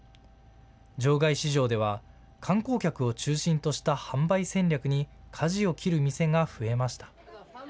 場外市場では観光客を中心とした販売戦略にかじを切る店が増えました。